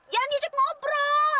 jangan diajak ngobrol